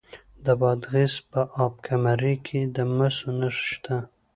د بادغیس په اب کمري کې د مسو نښې شته.